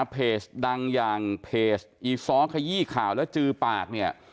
เพจดังอย่างเพจอีซ้อขยี้ข่าวแล้วจือปากเนี่ย